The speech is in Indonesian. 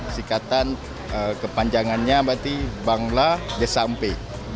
sikatan kepanjangannya berarti bangla desampe